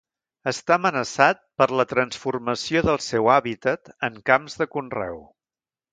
Està amenaçat per la transformació del seu hàbitat en camps de conreu.